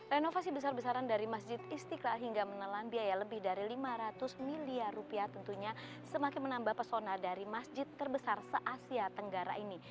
renovasi besar besaran dari masjid istiqlal hingga menelan biaya lebih dari lima ratus miliar rupiah tentunya semakin menambah pesona dari masjid terbesar se asia tenggara ini